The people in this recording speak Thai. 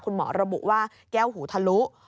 คุณหมอระบุว่าแก้วหูทะลุ